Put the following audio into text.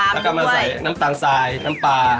แล้วก็มาใส่น้ำตาลทรายน้ำปลา